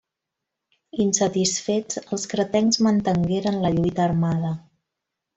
Insatisfets, els cretencs mantengueren la lluita armada.